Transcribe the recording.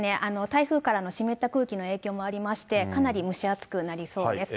台風からの湿った空気の影響もありまして、かなり蒸し暑くなりそうです。